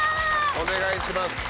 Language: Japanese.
お願いします。